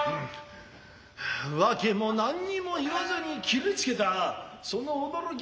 訳も何にも言わずに切りつけたはその驚きは尤もだ。